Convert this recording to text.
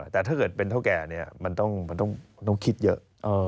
แต่ถ้าเกิดเป็นเท่าแก่เนี่ยมันต้องคิดเยอะ